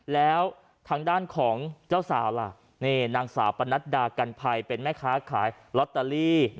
แล้วทางด้านของเจ้าสาวล่ะนี่นางสาวปนัดดากันภัยเป็นแม่ค้าขายลอตเตอรี่